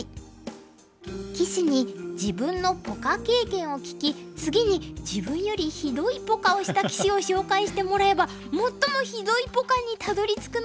棋士に自分のポカ経験を聞き次に自分よりひどいポカをした棋士を紹介してもらえば最もひどいポカにたどりつくのではないかという企画です。